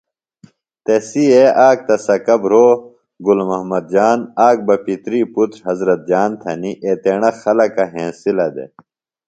تسیئے آک تہ سکہ بھرو گُل محمد جان، آک بہ پِتری پُتر حضرت جان تھنیۡ، ایتیݨہ خلکہ ہینسِلہ دےۡ